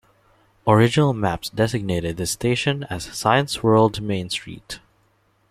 Original maps designated the station as "Science World-Main Street".